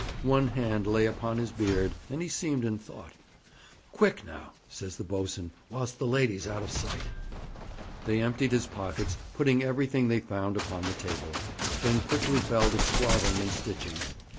One hand lay upon his beard, and he seemed in thought. 'Quick, now,' says the boatswain, 'whilst the lady's out of sight.' They emptied his pockets, putting everything they found upon the table, then quickly fell to swathing and stitching.